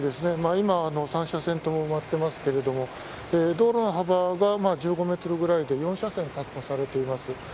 今、３車線とも埋まっていますが道路の幅が１５メートルぐらいで４車線、確保されています。